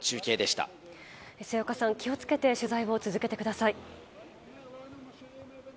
末岡さん、気を付けて取材を続けてください。